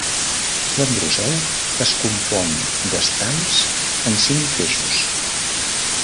L'androceu es compon d'estams en cinc feixos.